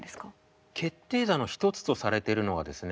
決定打の一つとされてるのはですね